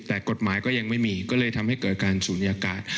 แต่กฎหมายก็ยังไม่มีก็เลยทำให้เกิดการศูนยากาศ